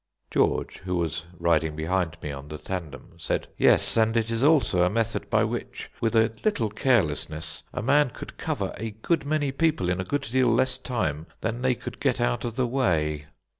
George, who was riding behind me on the tandem, said, "Yes, and it is also a method by which with a little carelessness a man could cover a good many people in a good deal less time than they could get out of the way."